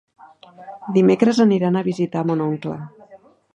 Dimecres aniran a visitar mon oncle.